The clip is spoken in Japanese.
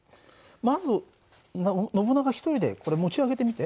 まずノブナガ一人でこれ持ち上げてみて。